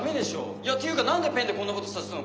いやっていうか何でペンでこんなことさせたの？